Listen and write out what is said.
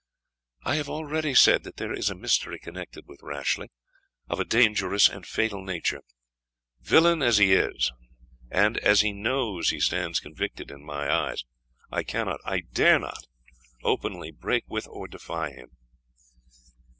"I have already said that there is a mystery connected with Rashleigh, of a dangerous and fatal nature. Villain as he is, and as he knows he stands convicted in my eyes, I cannot dare not, openly break with or defy him.